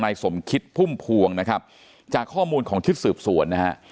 สมคิดพุ่มพวงนะครับจากข้อมูลของชุดสืบสวนนะฮะ